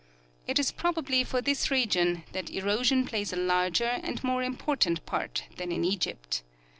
It is probably for this reason that ero sion plays a larger and more important part than in Egypt.